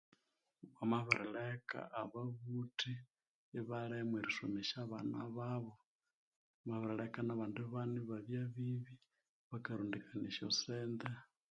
Bamabirileka ababuthi ibathasomesya abana babo bamabirileka na bandi bana ibabya bibi bakarondekania esyasente